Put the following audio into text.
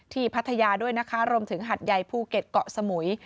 พัทยาด้วยนะคะรวมถึงหัดใหญ่ภูเก็ตเกาะสมุย